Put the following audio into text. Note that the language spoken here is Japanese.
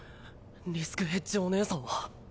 リスクヘッジおねえさんは？